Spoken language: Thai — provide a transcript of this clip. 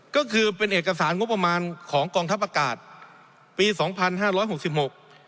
ก็คือเป็นเอกสารงบประมาณของกองทัพอากาศปีสองพันห้าร้อยหกสิบหก